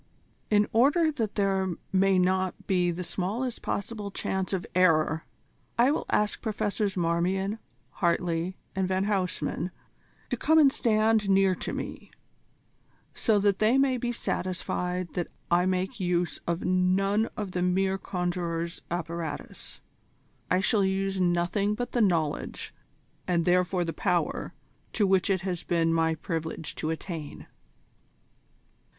"In order that there may not be the smallest possible chance of error, I will ask Professors Marmion, Hartley, and Van Huysman to come and stand near to me, so that they may be satisfied that I make use of none of the mere conjurer's apparatus. I shall use nothing but the knowledge, and therefore the power, to which it has been my privilege to attain."